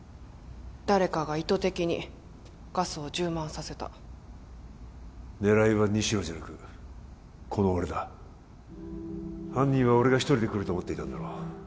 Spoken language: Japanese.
誰かが意図的にガスを充満させた狙いは西野じゃなくこの俺だ犯人は俺が一人で来ると思っていたんだろう